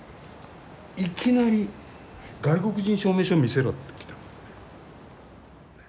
いきなり「外国人証明書見せろ」ってきたの。